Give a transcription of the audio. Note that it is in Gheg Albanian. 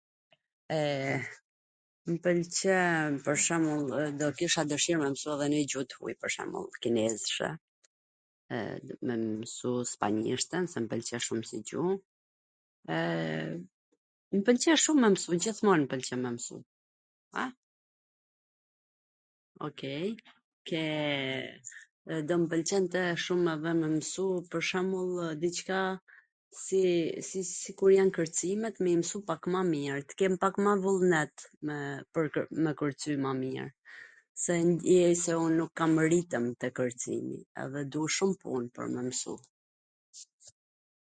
E, mw pwlqen pwr shwmbull do kisha dwshir me msu edhe nonjw gju t huj, pwr shwmbull kinezCe, me msu spanjishten se m pwlqen shum si gjuh, e, mw pwlqen shum me msu, gjithmon m pwlqen me msu, w, okej, dhe do m pwlqente shum pwr shwmbullw diCka si sikurw jan kwrcimet, me i msu pak ma mir, tw kem pak ma vullnet pwe kw... me kwrcy ma mir, se ndjej se un nuk kam ritwm te kwrcimi edhe du shum pun pwr me msu.